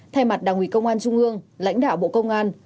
thay mặt đảng ủy công an trung ương lãnh đạo bộ công an